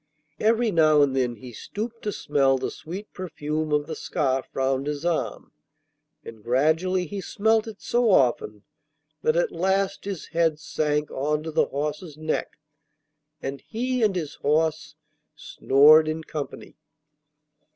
Every now and then he stooped to smell the sweet perfume of the scarf round his arm; and gradually he smelt it so often that at last his head sank on to the horse's neck, and he and his horse snored in company.